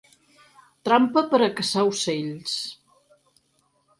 Trampa per a caçar ocells.